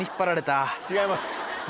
違います。